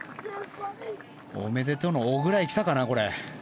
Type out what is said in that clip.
おめでとうの「お」ぐらい来たかな。